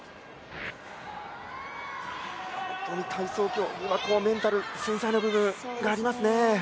本当に体操競技はメンタル繊細な部分がありますね。